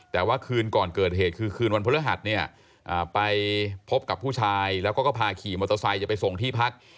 แต่ว่าคืนก่อนเกิดเหตุคือคืนวันพฤหัสเนี่ยไปพบกับผู้ชายแล้วก็พาขี่มอเตอร์ไซค์จะไปส่งที่พัก